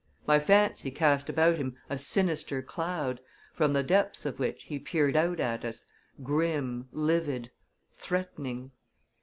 My fancy cast about him a sinister cloud, from the depths of which he peered out at us, grim, livid, threatening.